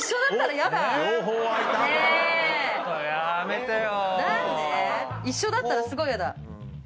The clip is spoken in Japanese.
何で⁉一緒だったらすごいヤダ。